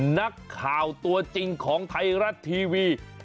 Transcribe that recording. นักข่าวตัวจริงของไทยรัฐทีวี